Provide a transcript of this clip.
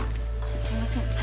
すいません